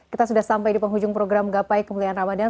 kita sudah sampai di penghujung program gapai kemuliaan ramadhan